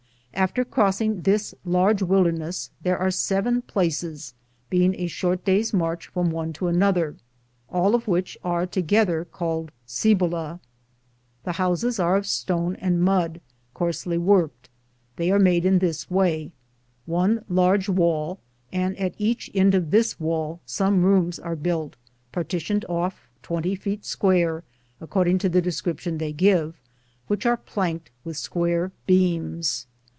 After crossing this large wilderness, there are seven places, being a short day's march from one to another, all of which are together called Cibola. The houses are of stone and mud, coarsely worked. They are made in this way : One large wall, and afc each end of this wall some rooms are built, partitioned off 20 feet square, according to the description they give, which are planked with square beams.